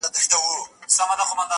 نړېدلي دېوالونه” دروازې د ښار پرتې دي”